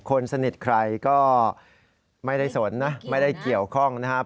คนสนิทใครก็ไม่ได้สนนะไม่ได้เกี่ยวข้องนะครับ